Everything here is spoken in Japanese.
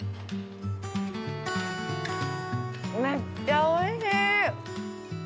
めっちゃおいしい！